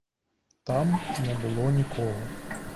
Там не було нікого.